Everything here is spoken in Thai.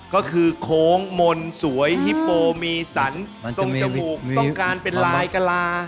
ก็คือโคงมนสวยฮิปโปมีสันต้องการเป็นลายกลา